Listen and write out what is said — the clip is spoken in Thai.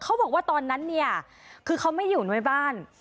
เขาบอกว่าตอนนั้นเนี่ยคือเขาไม่อยู่ในบ้าน